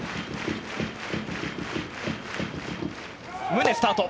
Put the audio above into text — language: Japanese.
宗、スタート！